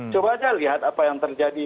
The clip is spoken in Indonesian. coba aja lihat apa yang terjadi